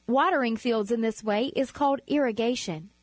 Watering fields in this way is called irrigation.